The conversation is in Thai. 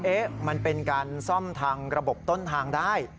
มันเป็นการซ่อมทางระบบต้นทางได้